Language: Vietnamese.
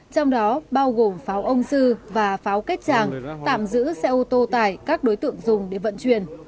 trong đó bao gồm pháo ông sư và pháo kết tràng tạm giữ xe ô tô tải các đối tượng dùng để vận chuyển